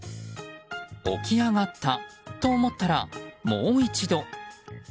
起き上がったと思ったらもう一度。